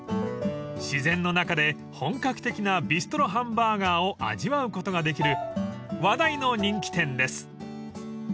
［自然の中で本格的なビストロハンバーガーを味わうことができる話題の人気店です！］